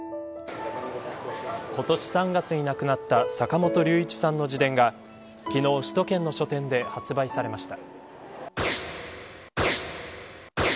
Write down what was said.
今年３月に亡くなった坂本龍一さんの自伝が昨日、首都圏の書店で発売されました。